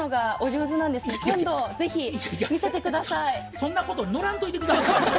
そんなことのらんといて下さい。